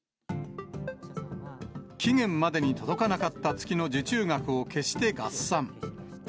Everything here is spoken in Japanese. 期限までに届かなかった月の受注額を消して合算。